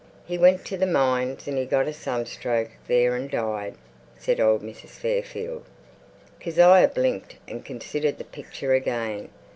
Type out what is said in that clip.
"He went to the mines, and he got a sunstroke there and died," said old Mrs. Fairfield. Kezia blinked and considered the picture again....